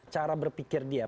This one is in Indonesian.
cara berpikir dia